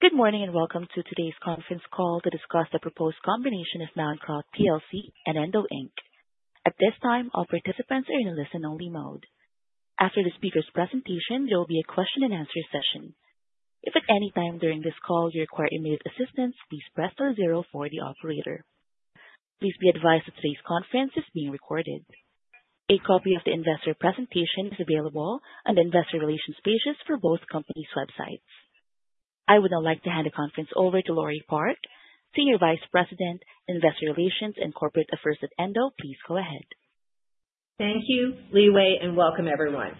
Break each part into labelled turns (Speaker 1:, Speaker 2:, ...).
Speaker 1: Good morning and welcome to today's conference call to discuss the proposed combination of Mallinckrodt plc and Endo Inc. At this time, all participants are in a listen-only mode. After the speaker's presentation, there will be a question and answer session. If at any time during this call you require immediate assistance, please press star zero for the operator. Please be advised that today's conference is being recorded. A copy of the investor presentation is available on the investor relations pages for both companies' websites. I would now like to hand the conference over to Laure Park, Senior Vice President, Investor Relations and Corporate Affairs at Endo. Please go ahead.
Speaker 2: Thank you, Li Wei, and welcome everyone.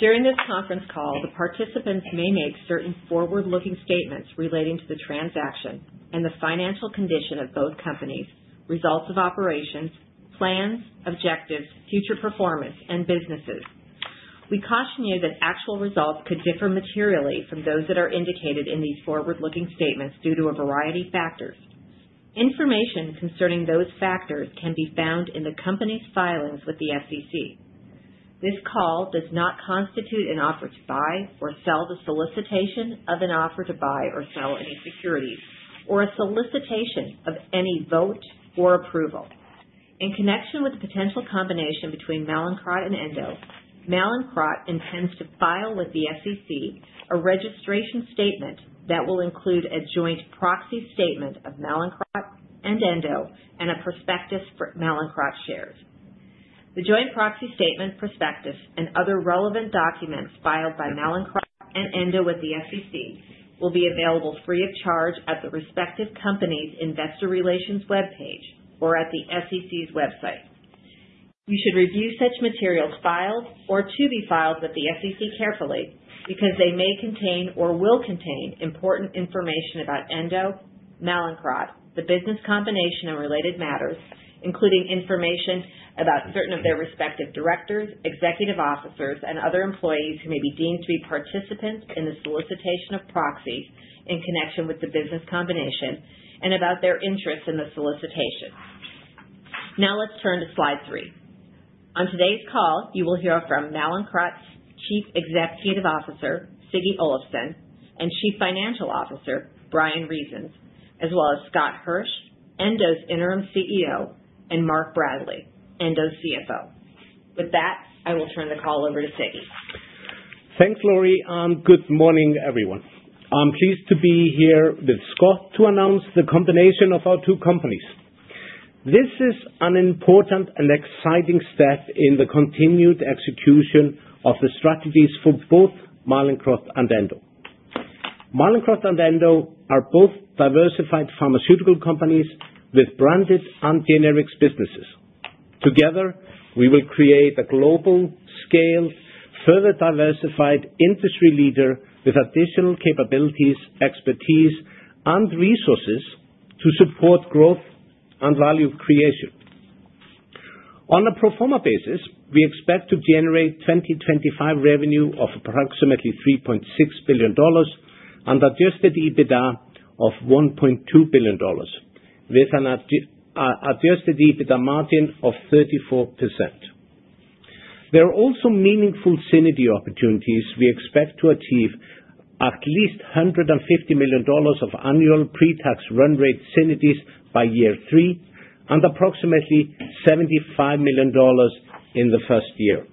Speaker 2: During this conference call, the participants may make certain forward-looking statements relating to the transaction and the financial condition of both companies, results of operations, plans, objectives, future performance, and businesses. We caution you that actual results could differ materially from those that are indicated in these forward-looking statements due to a variety of factors. Information concerning those factors can be found in the company's filings with the SEC. This call does not constitute an offer to buy or sell the solicitation of an offer to buy or sell any securities or a solicitation of any vote or approval. In connection with the potential combination between Mallinckrodt and Endo, Mallinckrodt intends to file with the SEC a registration statement that will include a joint proxy statement of Mallinckrodt and Endo and a prospectus for Mallinckrodt shares. The joint proxy statement, prospectus, and other relevant documents filed by Mallinckrodt and Endo with the SEC will be available free of charge at the respective company's investor relations webpage or at the SEC's website. You should review such materials filed or to be filed with the SEC carefully because they may contain or will contain important information about Endo, Mallinckrodt, the business combination and related matters, including information about certain of their respective Directors, Executive Officers, and other employees who may be deemed to be participants in the solicitation of proxies in connection with the business combination and about their interests in the solicitation. Now let's turn to slide three. On today's call, you will hear from Mallinckrodt's Chief Executive Officer, Siggi Olafsson, and Chief Financial Officer, Bryan Reasons, as well as Scott Hirsch, Endo's Interim CEO, and Mark Bradley, Endo's CFO. With that, I will turn the call over to Siggi.
Speaker 3: Thanks, Laure. Good morning, everyone. I'm pleased to be here with Scott to announce the combination of our two companies. This is an important and exciting step in the continued execution of the strategies for both Mallinckrodt and Endo. Mallinckrodt and Endo are both diversified pharmaceutical companies with branded and generic businesses. Together, we will create a global-scale, further diversified industry leader with additional capabilities, expertise, and resources to support growth and value creation. On a pro forma basis, we expect to generate 2025 revenue of approximately $3.6 billion and adjusted EBITDA of $1.2 billion, with an adjusted EBITDA margin of 34%. There are also meaningful synergy opportunities. We expect to achieve at least $150 million of annual pre-tax run rate synergies by year three and approximately $75 million in the first year.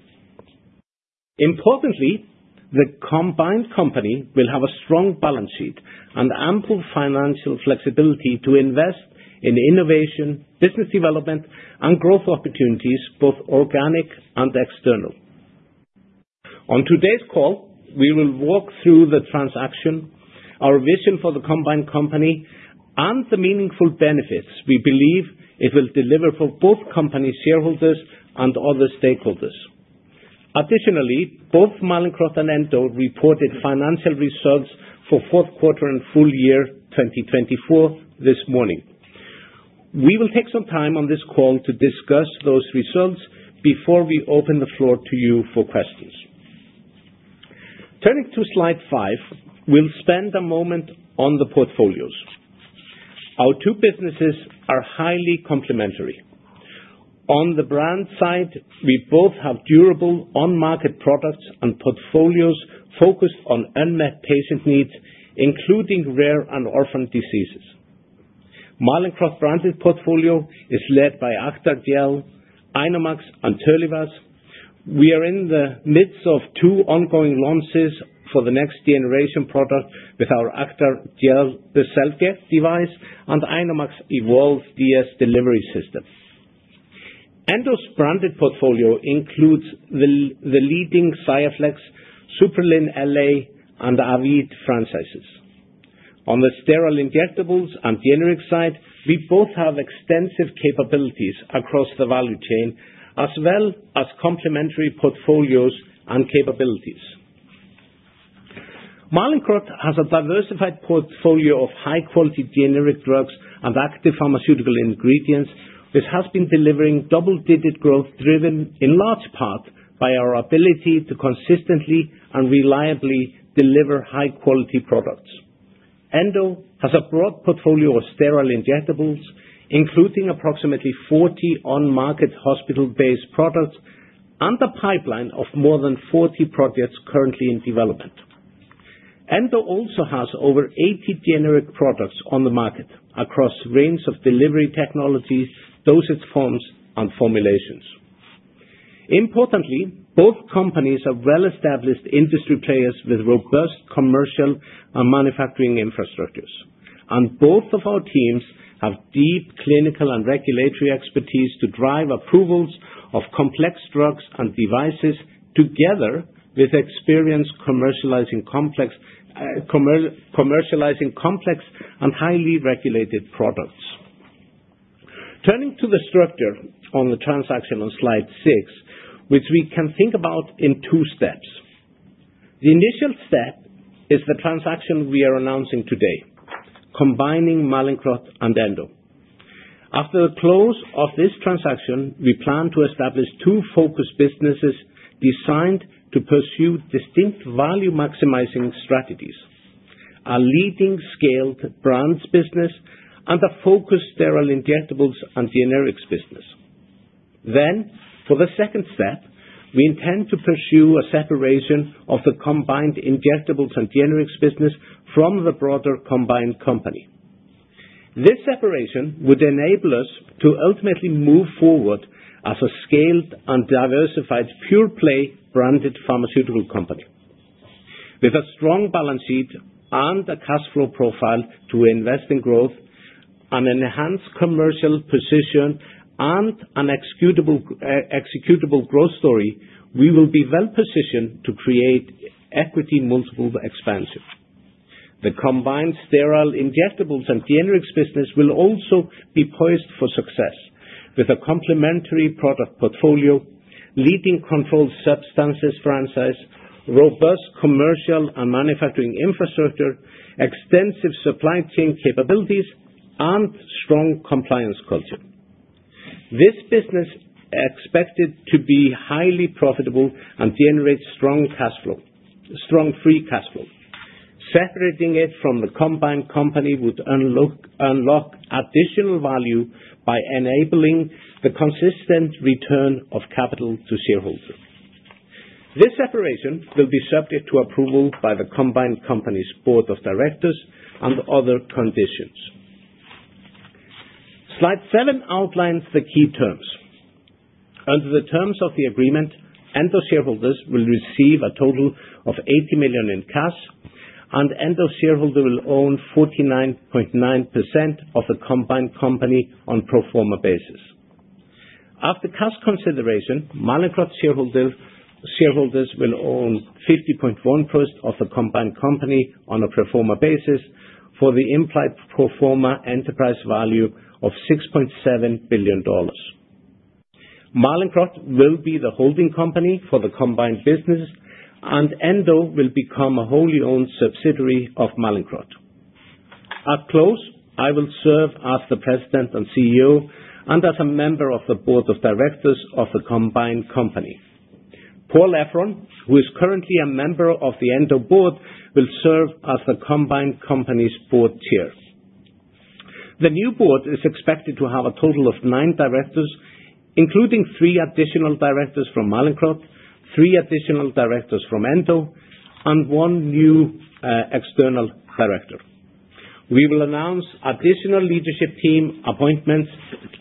Speaker 3: Importantly, the combined company will have a strong balance sheet and ample financial flexibility to invest in innovation, business development, and growth opportunities, both organic and external. On today's call, we will walk through the transaction, our vision for the combined company, and the meaningful benefits we believe it will deliver for both company shareholders and other stakeholders. Additionally, both Mallinckrodt and Endo reported financial results for fourth quarter and full year 2024 this morning. We will take some time on this call to discuss those results before we open the floor to you for questions. Turning to slide five, we'll spend a moment on the portfolios. Our two businesses are highly complementary. On the brand side, we both have durable on-market products and portfolios focused on unmet patient needs, including rare and orphan diseases. Mallinckrodt's branded portfolio is led by Acthar Gel, INOmax, and TERLIVAZ. We are in the midst of two ongoing launches for the next-generation product with our Acthar Gel SelfJect device and INOmax Evolve DS delivery system. Endo's branded portfolio includes the leading XIAFLEX, SUPPRELIN LA, and AVEED franchises. On the sterile injectables and generic side, we both have extensive capabilities across the value chain as well as complementary portfolios and capabilities. Mallinckrodt has a diversified portfolio of high-quality generic drugs and active pharmaceutical ingredients, which has been delivering double-digit growth driven in large part by our ability to consistently and reliably deliver high-quality products. Endo has a broad portfolio of sterile injectables, including approximately 40 on-market hospital-based products and a pipeline of more than 40 projects currently in development. Endo also has over 80 generic products on the market across a range of delivery technologies, dosage forms, and formulations. Importantly, both companies are well-established industry players with robust commercial and manufacturing infrastructures, and both of our teams have deep clinical and regulatory expertise to drive approvals of complex drugs and devices together with experience commercializing complex and highly regulated products. Turning to the structure on the transaction on slide six, which we can think about in two steps. The initial step is the transaction we are announcing today, combining Mallinckrodt and Endo. After the close of this transaction, we plan to establish two focus businesses designed to pursue distinct value-maximizing strategies: a leading scaled brands business and a focused sterile injectables and generics business. For the second step, we intend to pursue a separation of the combined injectables and generics business from the broader combined company. This separation would enable us to ultimately move forward as a scaled and diversified pure-play branded pharmaceutical company with a strong balance sheet and a cash flow profile to invest in growth and an enhanced commercial position and an executable growth story. We will be well-positioned to create equity multiple expansion. The combined sterile injectables and generics business will also be poised for success with a complementary product portfolio, leading controlled substances franchise, robust commercial and manufacturing infrastructure, extensive supply chain capabilities, and strong compliance culture. This business is expected to be highly profitable and generate strong free cash flow. Separating it from the combined company would unlock additional value by enabling the consistent return of capital to shareholders. This separation will be subject to approval by the combined company's Board of Directors and other conditions. Slide seven outlines the key terms. Under the terms of the agreement, Endo shareholders will receive a total of $80 million in cash, and Endo shareholders will own 49.9% of the combined company on a pro forma basis. After cash consideration, Mallinckrodt shareholders will own 50.1% of the combined company on a pro forma basis for the implied pro forma enterprise value of $6.7 billion. Mallinckrodt will be the holding company for the combined business, and Endo will become a wholly owned subsidiary of Mallinckrodt. At close, I will serve as the President and CEO and as a member of the Board of Directors of the combined company. Paul Efron, who is currently a member of the Endo Board, will serve as the combined company's Board Chair. The new Board is expected to have a total of nine Directors, including three additional Directors from Mallinckrodt, three additional Directors from Endo, and one new external Director. We will announce additional leadership team appointments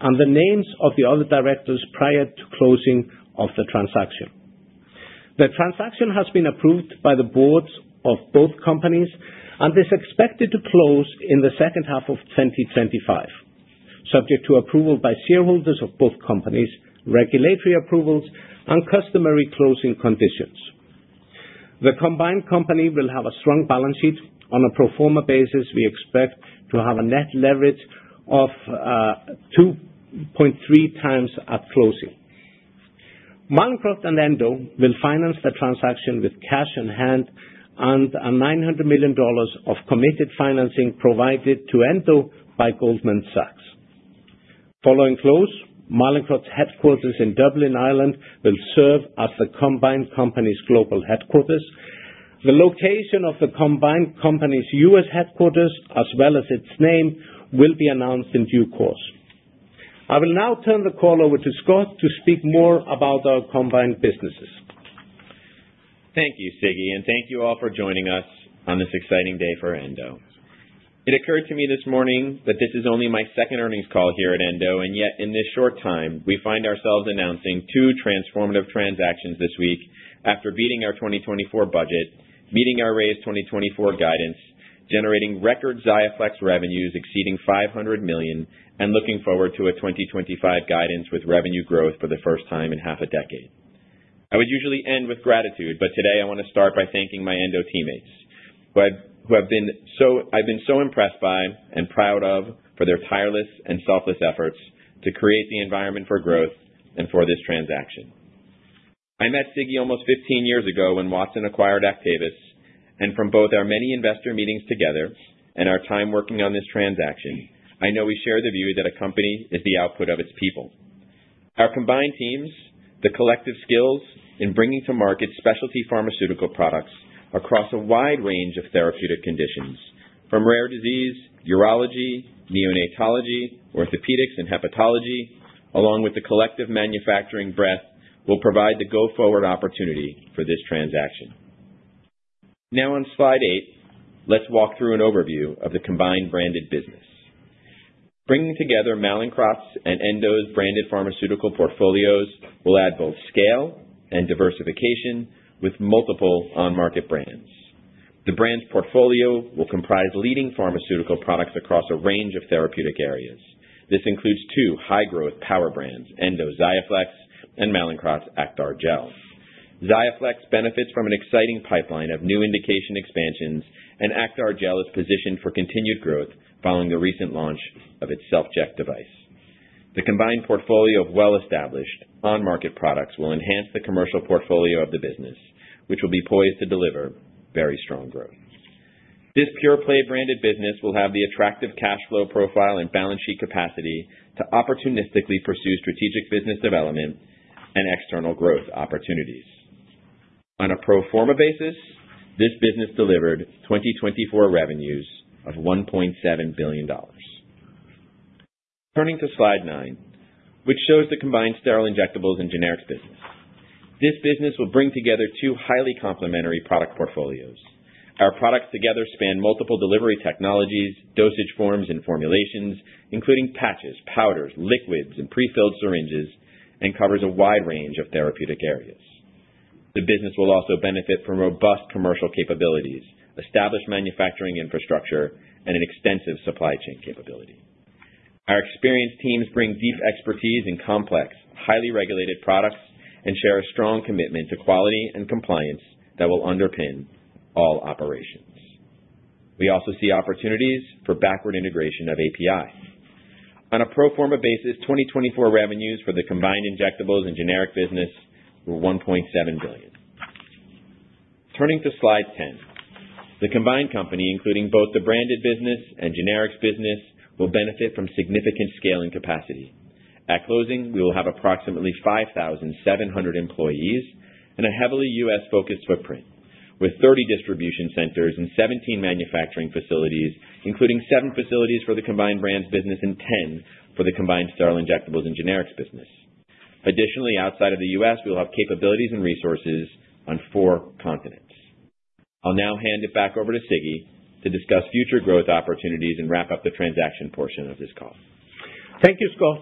Speaker 3: and the names of the other Directors prior to closing of the transaction. The transaction has been approved by the Boards of both companies, and it is expected to close in the second half of 2025, subject to approval by shareholders of both companies, regulatory approvals, and customary closing conditions. The combined company will have a strong balance sheet. On a pro forma basis, we expect to have a net leverage of 2.3x at closing. Mallinckrodt and Endo will finance the transaction with cash in hand and $900 million of committed financing provided to Endo by Goldman Sachs. Following close, Mallinckrodt's headquarters in Dublin, Ireland, will serve as the combined company's global headquarters. The location of the combined company's U.S. headquarters, as well as its name, will be announced in due course. I will now turn the call over to Scott to speak more about our combined businesses.
Speaker 4: Thank you, Siggi, and thank you all for joining us on this exciting day for Endo. It occurred to me this morning that this is only my second earnings call here at Endo, and yet in this short time, we find ourselves announcing two transformative transactions this week after beating our 2024 budget, meeting our raised 2024 guidance, generating record XIAFLEX revenues exceeding $500 million, and looking forward to a 2025 guidance with revenue growth for the first time in half a decade. I would usually end with gratitude, but today I want to start by thanking my Endo teammates who I've been so impressed by and proud of for their tireless and selfless efforts to create the environment for growth and for this transaction. I met Siggi almost 15 years ago when Watson acquired Actavis, and from both our many investor meetings together and our time working on this transaction, I know we share the view that a company is the output of its people. Our combined teams, the collective skills in bringing to market specialty pharmaceutical products across a wide range of therapeutic conditions, from rare disease, urology, neonatology, orthopedics, and hepatology, along with the collective manufacturing breadth, will provide the go-forward opportunity for this transaction. Now on slide eight, let's walk through an overview of the combined branded business. Bringing together Mallinckrodt's and Endo's branded pharmaceutical portfolios will add both scale and diversification with multiple on-market brands. The brand's portfolio will comprise leading pharmaceutical products across a range of therapeutic areas. This includes two high-growth power brands, Endo XIAFLEX and Mallinckrodt Acthar Gel. XIAFLEX benefits from an exciting pipeline of new indication expansions, and Acthar Gel is positioned for continued growth following the recent launch of its SelfJect device. The combined portfolio of well-established on-market products will enhance the commercial portfolio of the business, which will be poised to deliver very strong growth. This pure-play branded business will have the attractive cash flow profile and balance sheet capacity to opportunistically pursue strategic business development and external growth opportunities. On a pro forma basis, this business delivered 2024 revenues of $1.7 billion. Turning to slide nine, which shows the combined sterile injectables and generics business. This business will bring together two highly complementary product portfolios. Our products together span multiple delivery technologies, dosage forms, and formulations, including patches, powders, liquids, and prefilled syringes, and covers a wide range of therapeutic areas. The business will also benefit from robust commercial capabilities, established manufacturing infrastructure, and an extensive supply chain capability. Our experienced teams bring deep expertise in complex, highly regulated products and share a strong commitment to quality and compliance that will underpin all operations. We also see opportunities for backward integration of API. On a pro forma basis, 2024 revenues for the combined injectables and generic business were $1.7 billion. Turning to slide 10, the combined company, including both the branded business and generics business, will benefit from significant scaling capacity. At closing, we will have approximately 5,700 employees and a heavily U.S.-focused footprint with 30 distribution centers and 17 manufacturing facilities, including seven facilities for the combined brands business and 10 for the combined sterile injectables and generics business. Additionally, outside of the U.S., we will have capabilities and resources on four continents. I'll now hand it back over to Siggi to discuss future growth opportunities and wrap up the transaction portion of this call.
Speaker 3: Thank you, Scott.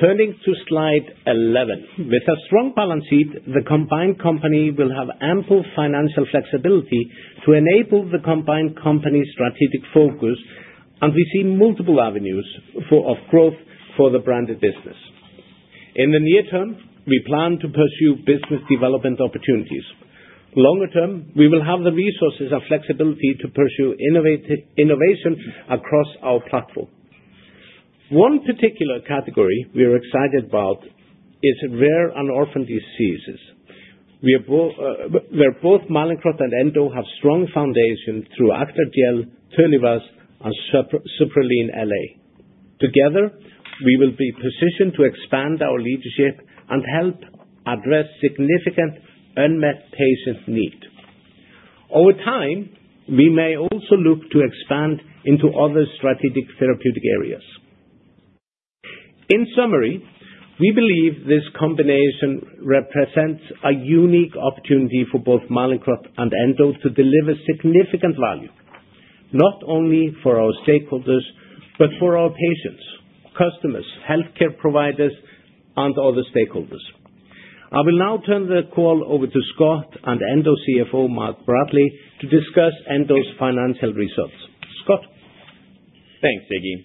Speaker 3: Turning to slide 11, with a strong balance sheet, the combined company will have ample financial flexibility to enable the combined company's strategic focus, and we see multiple avenues of growth for the branded business. In the near-term, we plan to pursue business development opportunities. Longer term, we will have the resources and flexibility to pursue innovation across our platform. One particular category we are excited about is rare and orphan diseases, where both Mallinckrodt and Endo have strong foundations through Acthar Gel, TERLIVAZ, and SUPPRELIN LA. Together, we will be positioned to expand our leadership and help address significant unmet patient needs. Over time, we may also look to expand into other strategic therapeutic areas. In summary, we believe this combination represents a unique opportunity for both Mallinckrodt and Endo to deliver significant value, not only for our stakeholders but for our patients, customers, healthcare providers, and other stakeholders. I will now turn the call over to Scott and Endo CFO, Mark Bradley, to discuss Endo's financial results. Scott.
Speaker 4: Thanks, Siggi.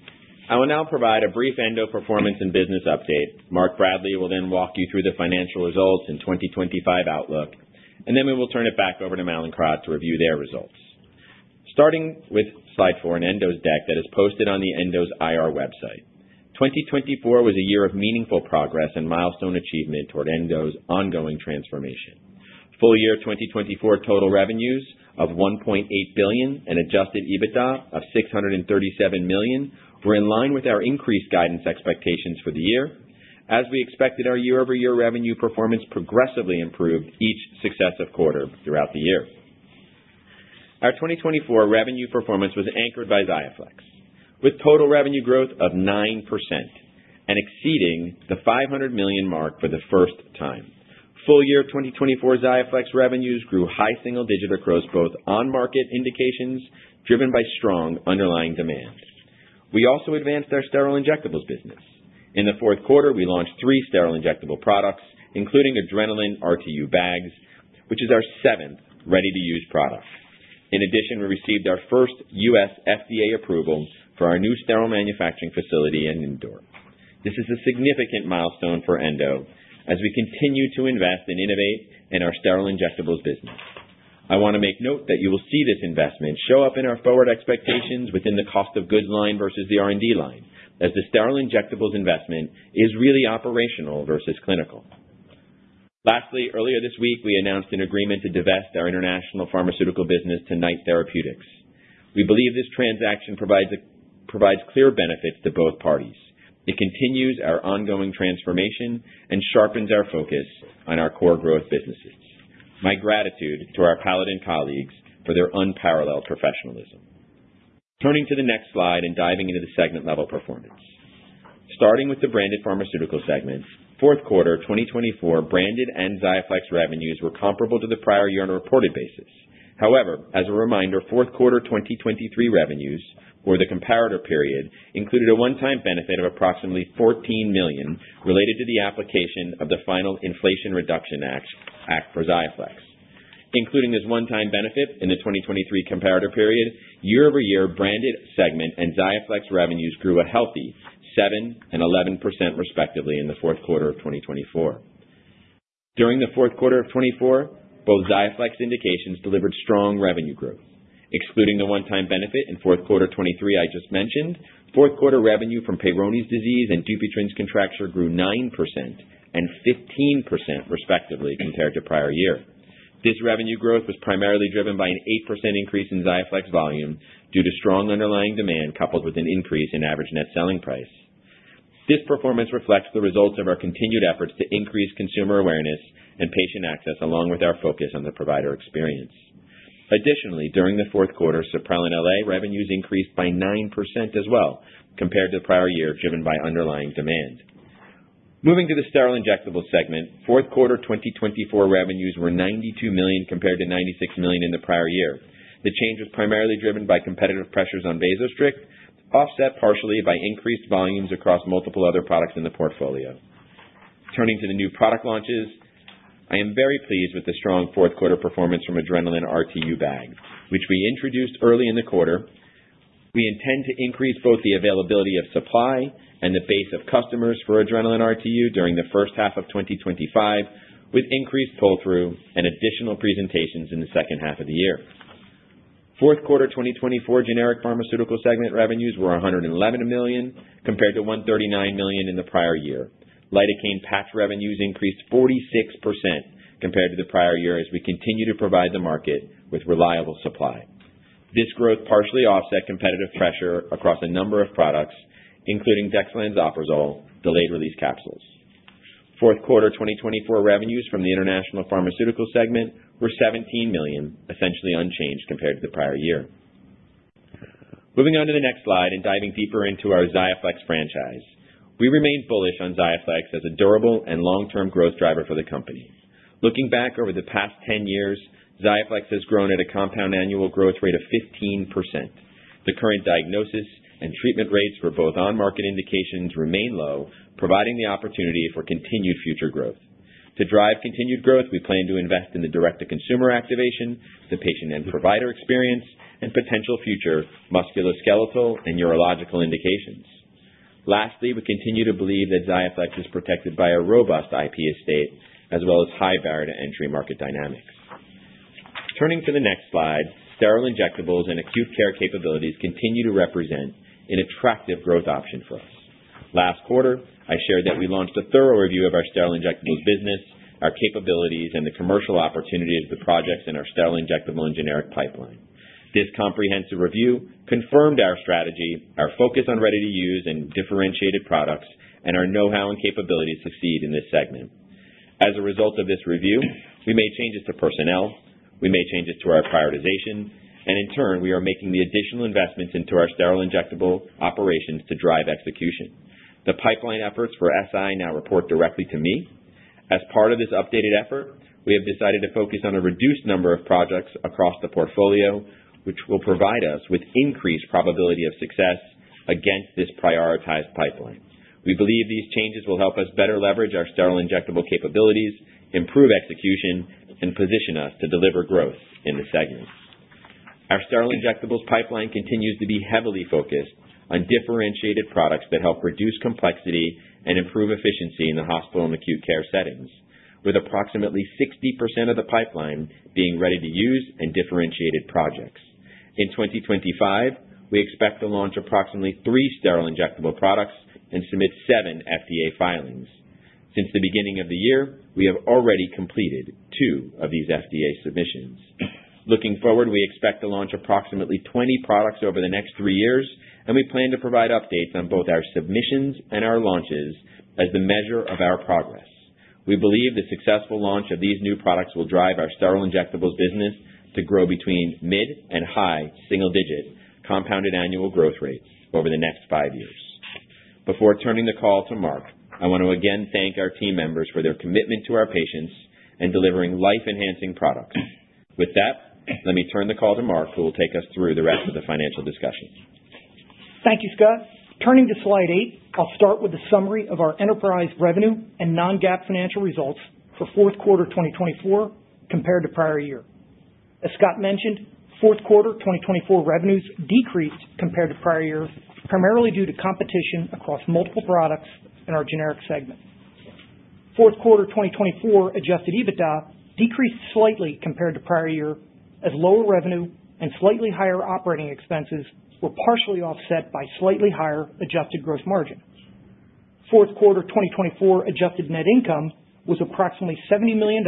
Speaker 4: I will now provide a brief Endo performance and business update. Mark Bradley will then walk you through the financial results and 2025 outlook, and then we will turn it back over to Mallinckrodt to review their results. Starting with slide four in Endo's deck that is posted on Endo's IR website, 2024 was a year of meaningful progress and milestone achievement toward Endo's ongoing transformation. Full year 2024 total revenues of $1.8 billion and adjusted EBITDA of $637 million were in line with our increased guidance expectations for the year, as we expected our year-over-year revenue performance progressively improved each successive quarter throughout the year. Our 2024 revenue performance was anchored by XIAFLEX, with total revenue growth of 9% and exceeding the $500 million mark for the first time. Full year 2024 XIAFLEX revenues grew high single digit across both on-market indications driven by strong underlying demand. We also advanced our sterile injectables business. In the fourth quarter, we launched three sterile injectable products, including Adrenalin RTU bags, which is our seventh ready-to-use product. In addition, we received our first U.S. FDA approval for our new sterile manufacturing facility in Indore. This is a significant milestone for Endo as we continue to invest and innovate in our sterile injectables business. I want to make note that you will see this investment show up in our forward expectations within the cost of goods line versus the R&D line, as the sterile injectables investment is really operational versus clinical. Lastly, earlier this week, we announced an agreement to divest our international pharmaceutical business to Knight Therapeutics. We believe this transaction provides clear benefits to both parties. It continues our ongoing transformation and sharpens our focus on our core growth businesses. My gratitude to our Paladin colleagues for their unparalleled professionalism. Turning to the next slide and diving into the segment-level performance. Starting with the branded pharmaceutical segment, fourth quarter 2024 branded and XIAFLEX revenues were comparable to the prior year on a reported basis. However, as a reminder, fourth quarter 2023 revenues, or the comparator period, included a one-time benefit of approximately $14 million related to the application of the final Inflation Reduction Act for XIAFLEX. Including this one-time benefit in the 2023 comparator period, year-over-year branded segment and XIAFLEX revenues grew a healthy 7% and 11% respectively in the fourth quarter of 2024. During the fourth quarter of 2024, both XIAFLEX indications delivered strong revenue growth. Excluding the one-time benefit in fourth quarter 2023 I just mentioned, fourth quarter revenue from Peyronie's disease and Dupuytren's contracture grew 9% and 15% respectively compared to prior year. This revenue growth was primarily driven by an 8% increase in XIAFLEX volume due to strong underlying demand coupled with an increase in average net selling price. This performance reflects the results of our continued efforts to increase consumer awareness and patient access, along with our focus on the provider experience. Additionally, during the fourth quarter, SUPPRELIN LA revenues increased by 9% as well compared to the prior year, driven by underlying demand. Moving to the sterile injectable segment, fourth quarter 2024 revenues were $92 million compared to $96 million in the prior year. The change was primarily driven by competitive pressures on Vasostrict, offset partially by increased volumes across multiple other products in the portfolio. Turning to the new product launches, I am very pleased with the strong fourth quarter performance from Adrenalin RTU bags, which we introduced early in the quarter. We intend to increase both the availability of supply and the base of customers for Adrenalin RTU during the first half of 2025, with increased pull-through and additional presentations in the second half of the year. Fourth quarter 2024 generic pharmaceutical segment revenues were $111 million compared to $139 million in the prior year. Lidocaine patch revenues increased 46% compared to the prior year as we continue to provide the market with reliable supply. This growth partially offset competitive pressure across a number of products, including dexlansoprazole delayed-release capsules. Fourth quarter 2024 revenues from the international pharmaceutical segment were $17 million, essentially unchanged compared to the prior year. Moving on to the next slide and diving deeper into our XIAFLEX franchise, we remain bullish on XIAFLEX as a durable and long-term growth driver for the company. Looking back over the past 10 years, XIAFLEX has grown at a compound annual growth rate of 15%. The current diagnosis and treatment rates for both on-market indications remain low, providing the opportunity for continued future growth. To drive continued growth, we plan to invest in the direct-to-consumer activation, the patient and provider experience, and potential future musculoskeletal and urological indications. Lastly, we continue to believe that XIAFLEX is protected by a robust IP estate as well as high barrier-to-entry market dynamics. Turning to the next slide, sterile injectables and acute care capabilities continue to represent an attractive growth option for us. Last quarter, I shared that we launched a thorough review of our sterile injectables business, our capabilities, and the commercial opportunities of the projects in our sterile injectable and generic pipeline. This comprehensive review confirmed our strategy, our focus on ready-to-use and differentiated products, and our know-how and capability to succeed in this segment. As a result of this review, we made changes to personnel, we made changes to our prioritization, and in turn, we are making the additional investments into our sterile injectable operations to drive execution. The pipeline efforts for SI now report directly to me. As part of this updated effort, we have decided to focus on a reduced number of projects across the portfolio, which will provide us with increased probability of success against this prioritized pipeline. We believe these changes will help us better leverage our sterile injectable capabilities, improve execution, and position us to deliver growth in the segment. Our sterile injectables pipeline continues to be heavily focused on differentiated products that help reduce complexity and improve efficiency in the hospital and acute care settings, with approximately 60% of the pipeline being ready-to-use and differentiated projects. In 2025, we expect to launch approximately three sterile injectable products and submit seven FDA filings. Since the beginning of the year, we have already completed two of these FDA submissions. Looking forward, we expect to launch approximately 20 products over the next three years, and we plan to provide updates on both our submissions and our launches as the measure of our progress. We believe the successful launch of these new products will drive our sterile injectables business to grow between mid and high single-digit compound annual growth rates over the next five years. Before turning the call to Mark, I want to again thank our team members for their commitment to our patients and delivering life-enhancing products. With that, let me turn the call to Mark, who will take us through the rest of the financial discussion.
Speaker 5: Thank you, Scott. Turning to slide eight, I'll start with the summary of our enterprise revenue and non-GAAP financial results for fourth quarter 2024 compared to prior year. As Scott mentioned, fourth quarter 2024 revenues decreased compared to prior year primarily due to competition across multiple products in our generic segment. Fourth quarter 2024 adjusted EBITDA decreased slightly compared to prior year as lower revenue and slightly higher operating expenses were partially offset by slightly higher adjusted gross margin. Fourth quarter 2024 adjusted net income was approximately $70 million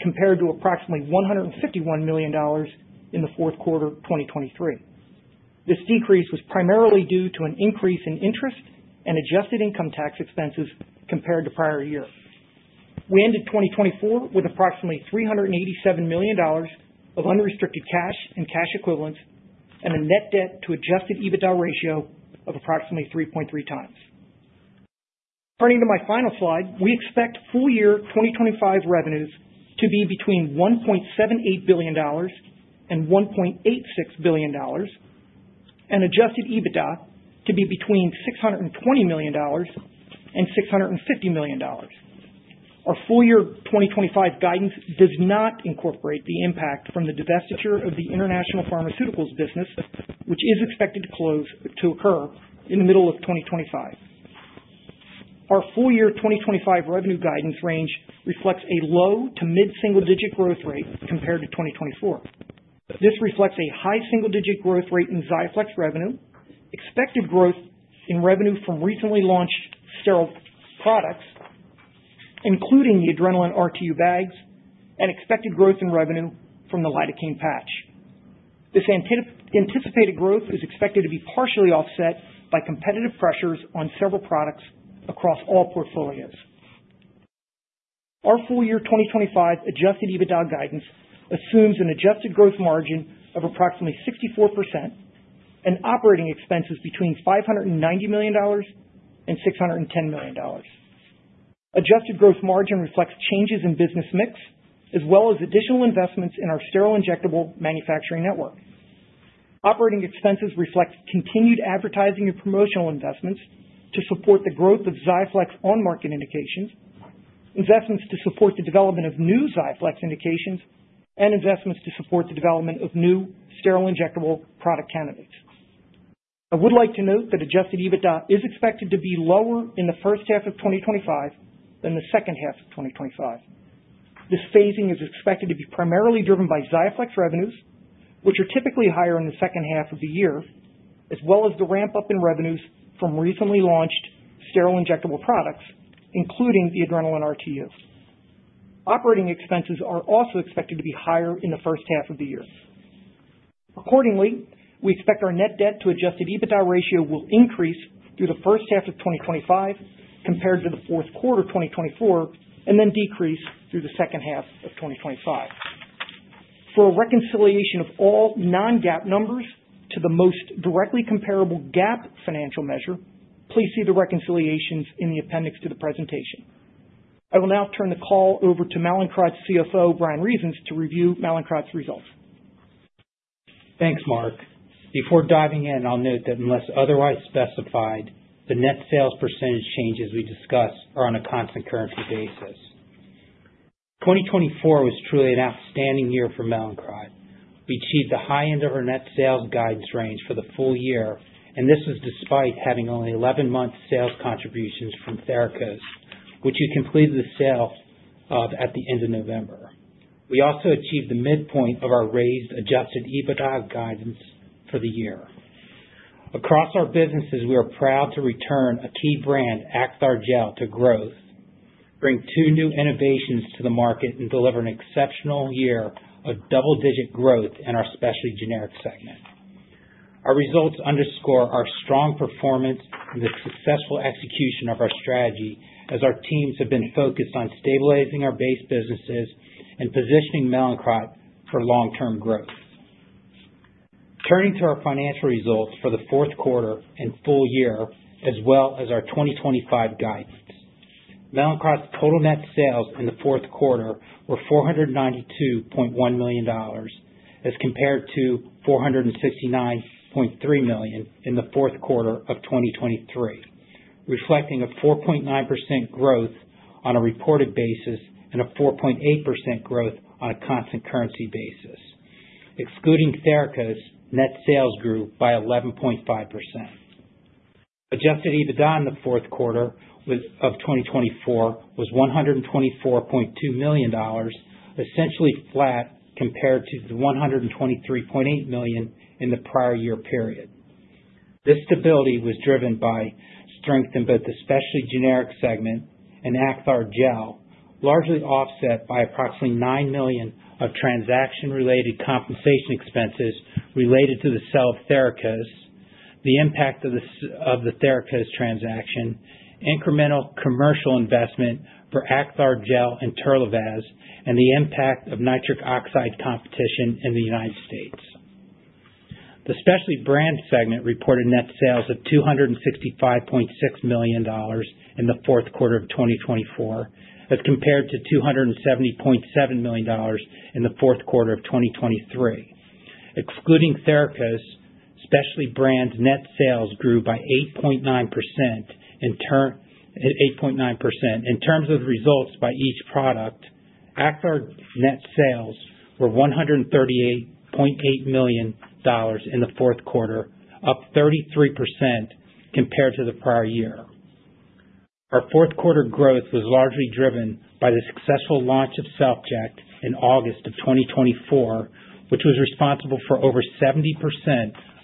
Speaker 5: compared to approximately $151 million in the fourth quarter 2023. This decrease was primarily due to an increase in interest and adjusted income tax expenses compared to prior year. We ended 2024 with approximately $387 million of unrestricted cash and cash equivalents and a net debt to adjusted EBITDA ratio of approximately 3.3x. Turning to my final slide, we expect full year 2025 revenues to be between $1.78 billion and $1.86 billion and adjusted EBITDA to be between $620 million and $650 million. Our full year 2025 guidance does not incorporate the impact from the divestiture of the international pharmaceuticals business, which is expected to occur in the middle of 2025. Our full year 2025 revenue guidance range reflects a low- to mid-single-digit growth rate compared to 2024. This reflects a high single-digit growth rate in XIAFLEX revenue, expected growth in revenue from recently launched sterile products, including the Adrenalin RTU bags, and expected growth in revenue from the lidocaine patch. This anticipated growth is expected to be partially offset by competitive pressures on several products across all portfolios. Our full year 2025 adjusted EBITDA guidance assumes an adjusted gross margin of approximately 64% and operating expenses between $590 million and $610 million. Adjusted gross margin reflects changes in business mix as well as additional investments in our sterile injectable manufacturing network. Operating expenses reflect continued advertising and promotional investments to support the growth of XIAFLEX on-market indications, investments to support the development of new XIAFLEX indications, and investments to support the development of new sterile injectable product candidates. I would like to note that adjusted EBITDA is expected to be lower in the first half of 2025 than the second half of 2025. This phasing is expected to be primarily driven by XIAFLEX revenues, which are typically higher in the second half of the year, as well as the ramp-up in revenues from recently launched sterile injectable products, including the Adrenalin RTUs. Operating expenses are also expected to be higher in the first half of the year. Accordingly, we expect our net debt-to-adjusted EBITDA ratio will increase through the first half of 2025 compared to the fourth quarter 2024 and then decrease through the second half of 2025. For a reconciliation of all non-GAAP numbers to the most directly comparable GAAP financial measure, please see the reconciliations in the appendix to the presentation. I will now turn the call over to Mallinckrodt's CFO, Bryan Reasons, to review Mallinckrodt's results.
Speaker 6: Thanks, Mark. Before diving in, I'll note that unless otherwise specified, the net sales percentage changes we discussed are on a constant currency basis. 2024 was truly an outstanding year for Mallinckrodt. We achieved the high end of our net sales guidance range for the full year, and this was despite having only 11-month sales contributions from THERAKOS, which we completed the sale of at the end of November. We also achieved the midpoint of our raised adjusted EBITDA guidance for the year. Across our businesses, we are proud to return a key brand, Acthar Gel, to growth, bring two new innovations to the market, and deliver an exceptional year of double-digit growth in our specialty generic segment. Our results underscore our strong performance and the successful execution of our strategy as our teams have been focused on stabilizing our base businesses and positioning Mallinckrodt for long-term growth. Turning to our financial results for the fourth quarter and full year, as well as our 2025 guidance, Mallinckrodt's total net sales in the fourth quarter were $492.1 million as compared to $469.3 million in the fourth quarter of 2023, reflecting a 4.9% growth on a reported basis and a 4.8% growth on a constant currency basis. Excluding THERAKOS, net sales grew by 11.5%. Adjusted EBITDA in the fourth quarter of 2024 was $124.2 million, essentially flat compared to the $123.8 million in the prior year period. This stability was driven by strength in both the specialty generic segment and Acthar Gel, largely offset by approximately $9 million of transaction-related compensation expenses related to the sale of THERAKOS, the impact of the THERAKOS transaction, incremental commercial investment for Acthar Gel and TERLIVAZ, and the impact of nitric oxide competition in the United States. The specialty brand segment reported net sales of $265.6 million in the fourth quarter of 2024 as compared to $270.7 million in the fourth quarter of 2023. Excluding THERAKOS, specialty brand net sales grew by 8.9%. In terms of results by each product, Acthar's net sales were $138.8 million in the fourth quarter, up 33% compared to the prior year. Our fourth quarter growth was largely driven by the successful launch of SelfJect in August of 2024, which was responsible for over 70%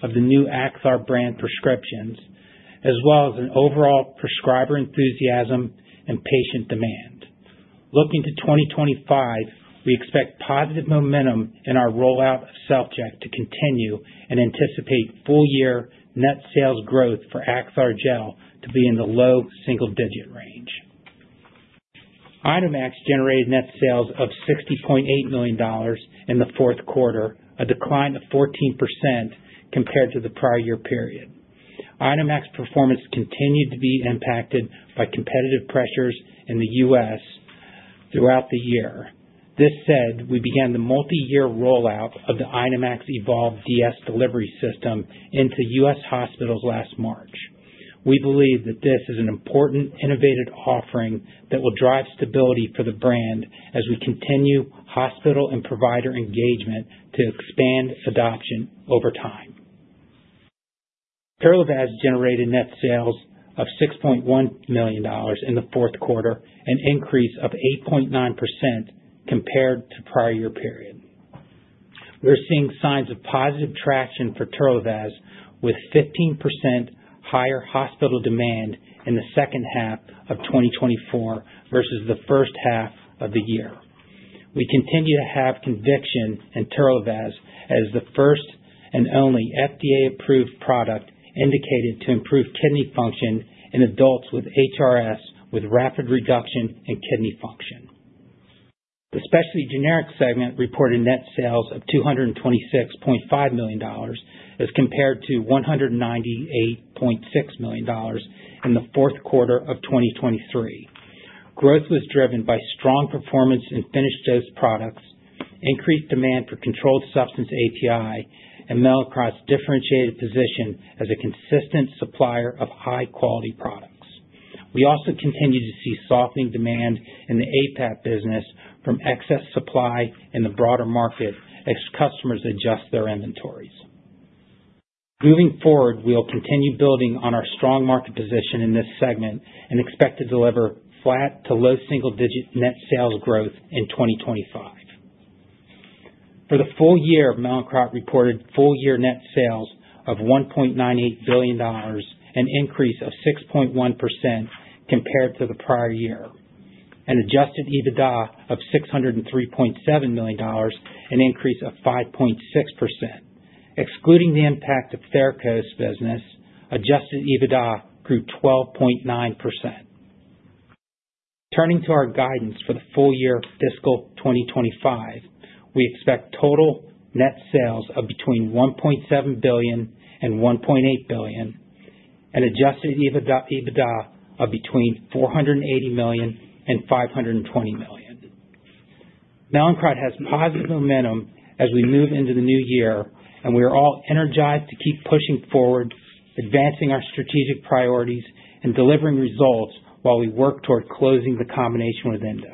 Speaker 6: of the new Acthar brand prescriptions, as well as an overall prescriber enthusiasm and patient demand. Looking to 2025, we expect positive momentum in our rollout of SelfJect to continue and anticipate full year net sales growth for Acthar Gel to be in the low single-digit range. INOmax generated net sales of $60.8 million in the fourth quarter, a decline of 14% compared to the prior year period. INOmax performance continued to be impacted by competitive pressures in the U.S. throughout the year. This said, we began the multi-year rollout of the INOmax Evolve DS delivery system into U.S. hospitals last March. We believe that this is an important innovative offering that will drive stability for the brand as we continue hospital and provider engagement to expand adoption over time. TERLIVAZ generated net sales of $6.1 million in the fourth quarter, an increase of 8.9% compared to the prior year period. We're seeing signs of positive traction for TERLIVAZ, with 15% higher hospital demand in the second half of 2024 versus the first half of the year. We continue to have conviction in TERLIVAZ as the first and only FDA-approved product indicated to improve kidney function in adults with HRS with rapid reduction in kidney function. The specialty generic segment reported net sales of $226.5 million as compared to $198.6 million in the fourth quarter of 2023. Growth was driven by strong performance in finished dose products, increased demand for controlled substance API, and Mallinckrodt's differentiated position as a consistent supplier of high-quality products. We also continue to see softening demand in the APAP business from excess supply in the broader market as customers adjust their inventories. Moving forward, we'll continue building on our strong market position in this segment and expect to deliver flat to low single-digit net sales growth in 2025. For the full year, Mallinckrodt reported full year net sales of $1.98 billion, an increase of 6.1% compared to the prior year, and adjusted EBITDA of $603.7 million, an increase of 5.6%. Excluding the impact of THERAKOS's business, adjusted EBITDA grew 12.9%. Turning to our guidance for the full year fiscal 2025, we expect total net sales of between $1.7 billion and $1.8 billion, and adjusted EBITDA of between $480 million and $520 million. Mallinckrodt has positive momentum as we move into the new year, and we are all energized to keep pushing forward, advancing our strategic priorities, and delivering results while we work toward closing the combination with Endo.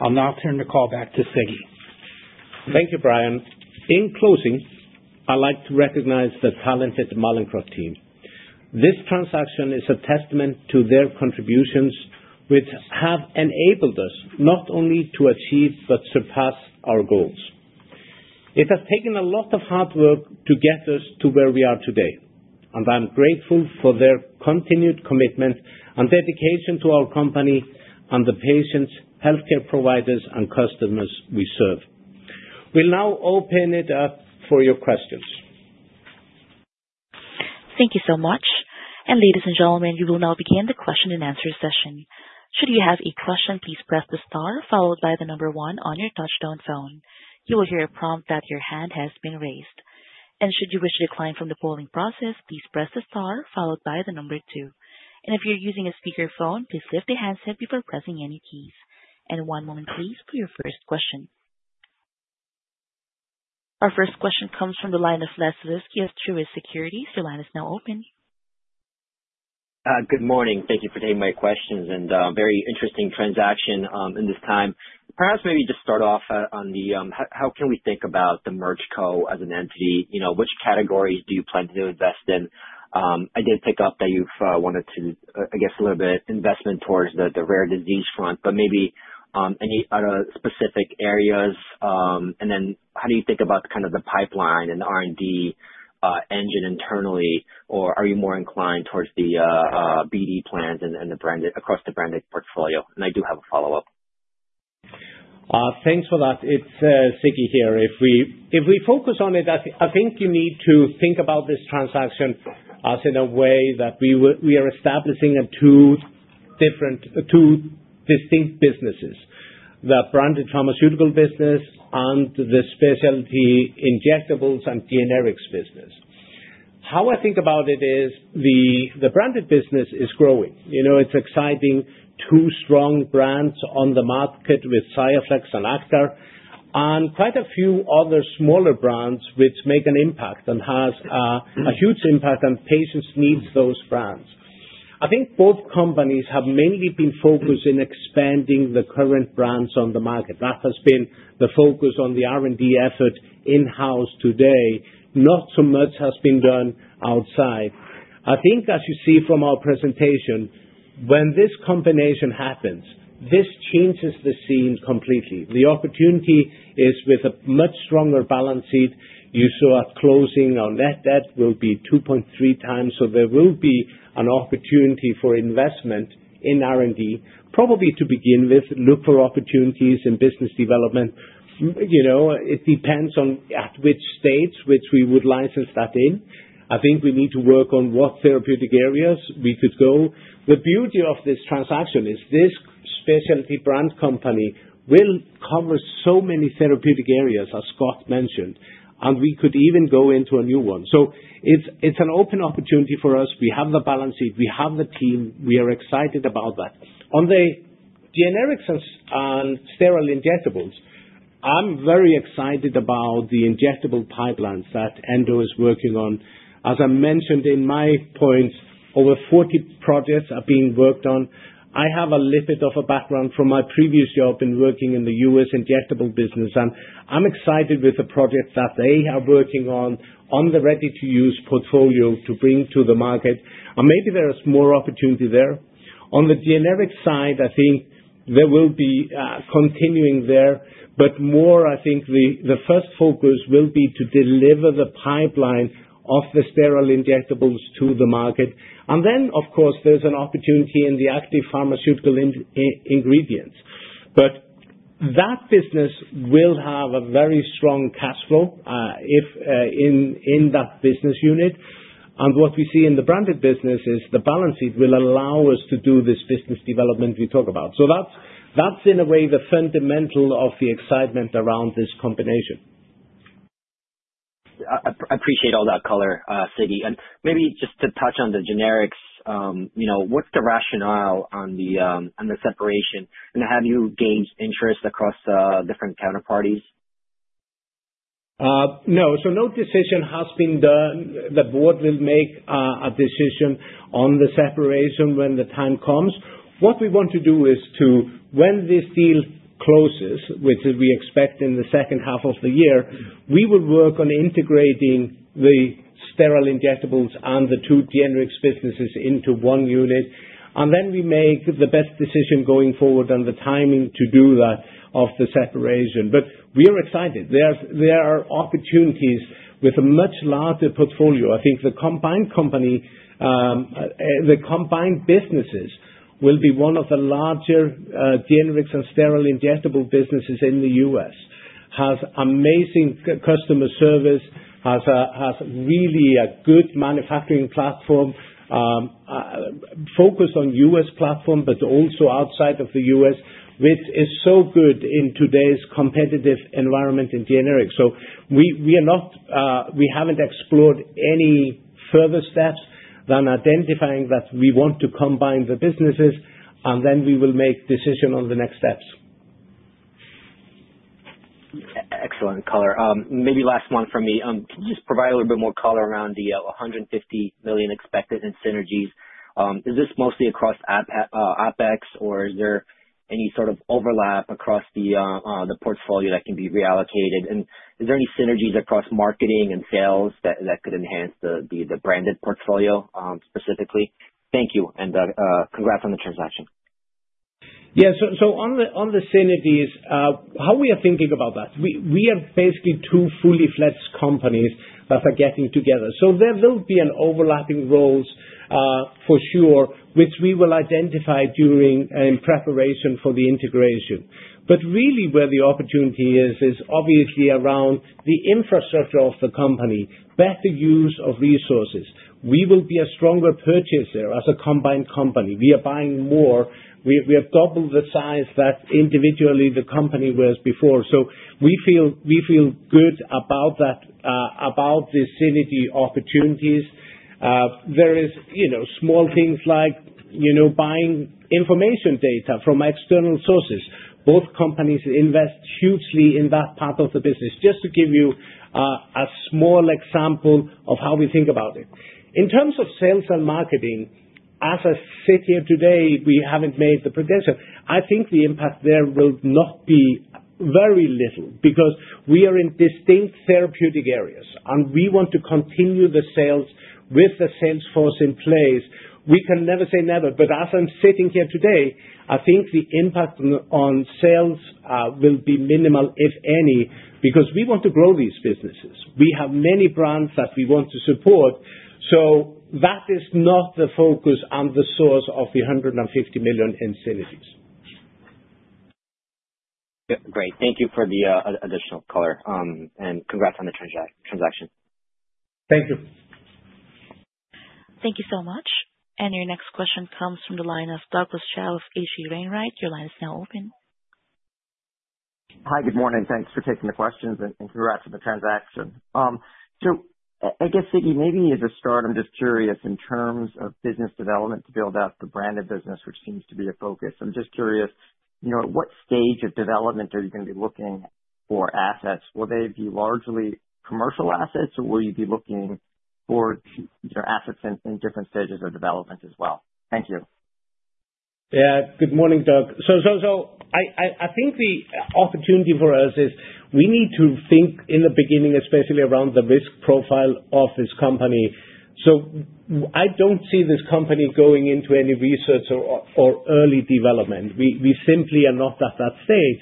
Speaker 6: I'll now turn the call back to Siggi.
Speaker 3: Thank you, Bryan. In closing, I'd like to recognize the talented Mallinckrodt team. This transaction is a testament to their contributions, which have enabled us not only to achieve but surpass our goals. It has taken a lot of hard work to get us to where we are today, and I'm grateful for their continued commitment and dedication to our company and the patients, healthcare providers, and customers we serve. We'll now open it up for your questions.
Speaker 1: Thank you so much. Ladies and gentlemen, you will now begin the question and answer session. Should you have a question, please press the star followed by the number one on your touch-tone phone. You will hear a prompt that your hand has been raised. Should you wish to decline from the polling process, please press the star followed by the number two. If you're using a speakerphone, please lift the handset before pressing any keys. One moment, please, for your first question. Our first question comes from the line of Leszek Sulewski of Truist Securities. Your line is now open.
Speaker 7: Good morning. Thank you for taking my questions and very interesting transaction in this time. Perhaps maybe just start off on the how can we think about the merge co as an entity? Which categories do you plan to invest in? I did pick up that you've wanted to, I guess, a little bit investment towards the rare disease front, but maybe any other specific areas? How do you think about kind of the pipeline and the R&D engine internally, or are you more inclined towards the BD plans and across the branded portfolio? I do have a follow-up.
Speaker 3: Thanks for that. It's Siggi here. If we focus on it, I think you need to think about this transaction as in a way that we are establishing two distinct businesses: the branded pharmaceutical business and the specialty injectables and generics business. How I think about it is the branded business is growing. It's exciting to see strong brands on the market with XIAFLEX and Acthar and quite a few other smaller brands which make an impact and have a huge impact on patients' needs, those brands. I think both companies have mainly been focused in expanding the current brands on the market. That has been the focus on the R&D effort in-house today. Not so much has been done outside. I think, as you see from our presentation, when this combination happens, this changes the scene completely. The opportunity is with a much stronger balance sheet. You saw our closing on that. That will be 2.3x, so there will be an opportunity for investment in R&D, probably to begin with, look for opportunities in business development. It depends on at which states which we would license that in. I think we need to work on what therapeutic areas we could go. The beauty of this transaction is this specialty brand company will cover so many therapeutic areas, as Scott mentioned, and we could even go into a new one. It is an open opportunity for us. We have the balance sheet. We have the team. We are excited about that. On the generics and sterile injectables, I am very excited about the injectable pipelines that Endo is working on. As I mentioned in my points, over 40 projects are being worked on. I have a little bit of a background from my previous job in working in the U.S. injectable business, and I'm excited with the projects that they are working on, on the ready-to-use portfolio to bring to the market. Maybe there is more opportunity there. On the generic side, I think there will be continuing there, but more, I think the first focus will be to deliver the pipeline of the sterile injectables to the market. Of course, there's an opportunity in the active pharmaceutical ingredients. That business will have a very strong cash flow in that business unit. What we see in the branded business is the balance sheet will allow us to do this business development we talk about. That's, in a way, the fundamental of the excitement around this combination.
Speaker 7: I appreciate all that color, Siggi. Maybe just to touch on the generics, what's the rationale on the separation? Have you gained interest across different counterparties?
Speaker 3: No. No decision has been done. The Board will make a decision on the separation when the time comes. What we want to do is, when this deal closes, which we expect in the second half of the year, we will work on integrating the sterile injectables and the two generics businesses into one unit. We make the best decision going forward on the timing to do that of the separation. We are excited. There are opportunities with a much larger portfolio. I think the combined company, the combined businesses, will be one of the larger generics and sterile injectable businesses in the U.S. Has amazing customer service, has really a good manufacturing platform focused on U.S. platform, but also outside of the U.S., which is so good in today's competitive environment in generics. We haven't explored any further steps than identifying that we want to combine the businesses, and then we will make decision on the next steps.
Speaker 7: Excellent color. Maybe last one from me. Can you just provide a little bit more color around the $150 million expected in synergies? Is this mostly across OpEx, or is there any sort of overlap across the portfolio that can be reallocated? Is there any synergies across marketing and sales that could enhance the branded portfolio specifically? Thank you. Congrats on the transaction.
Speaker 3: Yeah. On the synergies, how we are thinking about that, we have basically two fully flexed companies that are getting together. There will be overlapping roles for sure, which we will identify during preparation for the integration. Where the opportunity is, is obviously around the infrastructure of the company, better use of resources. We will be a stronger purchaser as a combined company. We are buying more. We have doubled the size that individually the company was before. We feel good about the synergy opportunities. There are small things like buying information data from external sources. Both companies invest hugely in that part of the business. Just to give you a small example of how we think about it. In terms of sales and marketing, as I sit here today, we haven't made the prediction. I think the impact there will not be very little because we are in distinct therapeutic areas, and we want to continue the sales with the sales force in place. We can never say never, but as I'm sitting here today, I think the impact on sales will be minimal, if any, because we want to grow these businesses. We have many brands that we want to support. That is not the focus and the source of the $150 million in synergies.
Speaker 7: Great. Thank you for the additional color. Congrats on the transaction.
Speaker 3: Thank you.
Speaker 1: Thank you so much. Your next question comes from the line of Douglas Tsao with H.C. Wainwright. Your line is now open.
Speaker 8: Hi, good morning. Thanks for taking the questions and congrats on the transaction. I guess, Siggi, maybe as a start, I'm just curious in terms of business development to build out the branded business, which seems to be a focus. I'm just curious, at what stage of development are you going to be looking for assets? Will they be largely commercial assets, or will you be looking for assets in different stages of development as well? Thank you.
Speaker 3: Yeah. Good morning, Doug. I think the opportunity for us is we need to think in the beginning, especially around the risk profile of this company. I don't see this company going into any research or early development. We simply are not at that stage,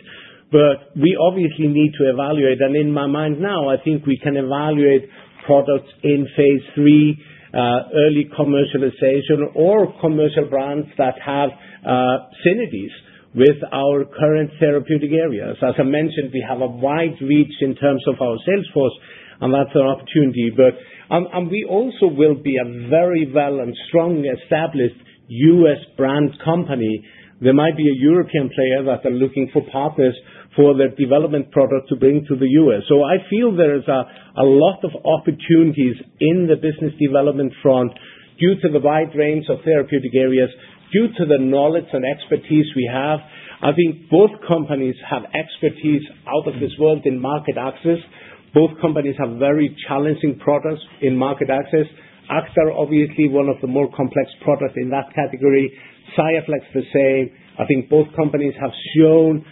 Speaker 3: but we obviously need to evaluate. In my mind now, I think we can evaluate products in phase three, early commercialization, or commercial brands that have synergies with our current therapeutic areas. As I mentioned, we have a wide reach in terms of our sales force, and that's an opportunity. We also will be a very well and strong established U.S. brand company. There might be a European player that they're looking for partners for the development product to bring to the U.S. I feel there is a lot of opportunities in the business development front due to the wide range of therapeutic areas, due to the knowledge and expertise we have. I think both companies have expertise out of this world in market access. Both companies have very challenging products in market access. Acthar is obviously one of the more complex products in that category. XIAFLEX, the same. I think both companies have shown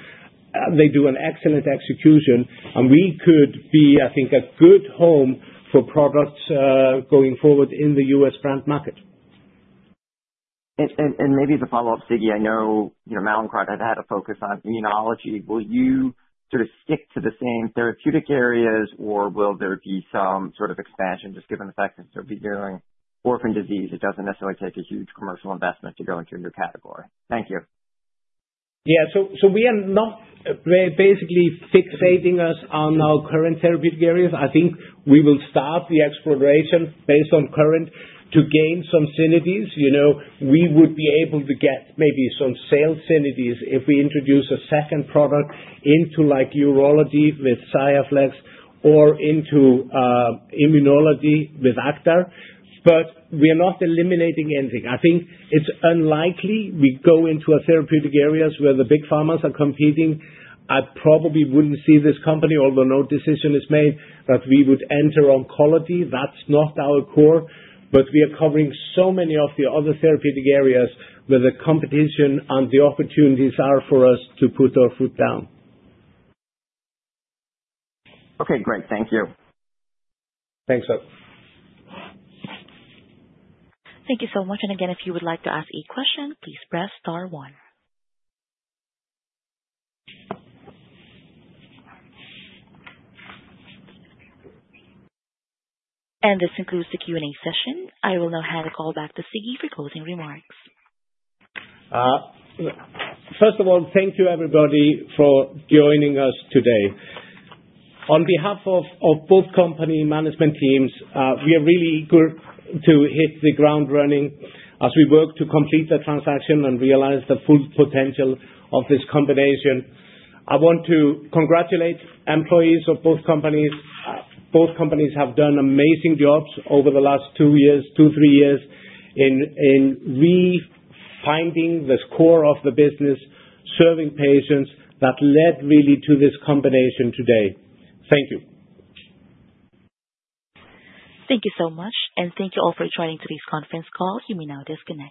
Speaker 3: they do an excellent execution, and we could be, I think, a good home for products going forward in the U.S. brand market.
Speaker 8: Maybe as a follow-up, Siggi, I know Mallinckrodt has had a focus on immunology. Will you sort of stick to the same therapeutic areas, or will there be some sort of expansion just given the fact that you'll be dealing with orphan disease? It doesn't necessarily take a huge commercial investment to go into a new category. Thank you.
Speaker 3: Yeah. We are not basically fixating us on our current therapeutic areas. I think we will start the exploration based on current to gain some synergies. We would be able to get maybe some sales synergies if we introduce a second product into urology with XIAFLEX or into immunology with Acthar. We are not eliminating anything. I think it's unlikely we go into therapeutic areas where the big pharmas are competing. I probably wouldn't see this company, although no decision is made, that we would enter oncology. That's not our core, but we are covering so many of the other therapeutic areas where the competition and the opportunities are for us to put our foot down.
Speaker 8: Okay. Great. Thank you.
Speaker 3: Thanks, Doug.
Speaker 1: Thank you so much. If you would like to ask a question, please press star one. This concludes the Q&A session. I will now hand the call back to Siggi for closing remarks.
Speaker 3: First of all, thank you, everybody, for joining us today. On behalf of both company management teams, we are really good to hit the ground running as we work to complete the transaction and realize the full potential of this combination. I want to congratulate employees of both companies. Both companies have done amazing jobs over the last two years, two, three years in refinding the core of the business, serving patients that led really to this combination today. Thank you.
Speaker 1: Thank you so much. Thank you all for joining today's conference call. You may now disconnect.